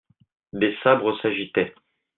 Des sabres s'agitaient.